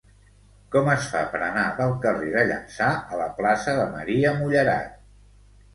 Com es fa per anar del carrer de Llança a la plaça de Maria Mullerat?